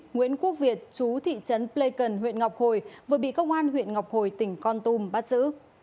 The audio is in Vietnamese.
nguyễn quốc việt chú thị trấn pleikon huyện ngọc hồi vừa bị công an huyện ngọc hồi tỉnh con tum bắt giữ